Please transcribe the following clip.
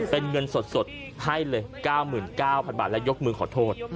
เป็นเงินสดให้เลย๙๙๐๐บาทแล้วยกมือขอโทษ